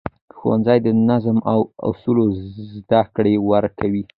ښوونځی د نظم او اصولو زده کړه ورکوي